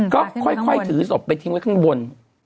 ก็ค่อยถือศพไปทิ้งไว้ข้างบน